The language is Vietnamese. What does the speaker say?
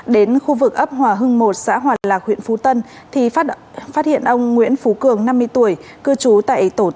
đến khu vực ấp hòa hưng một xã hòa lạc huyện phú tân thì phát hiện ông nguyễn phú cường năm mươi tuổi cư trú tại tổ tám